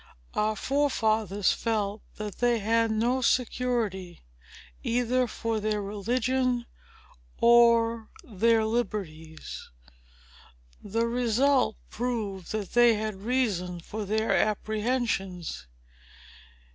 Our forefathers felt that they had no security either for their religion or their liberties. The result proved that they had reason for their apprehensions.